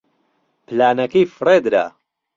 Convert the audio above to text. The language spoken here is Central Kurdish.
پلانەکەی فڕێ درا.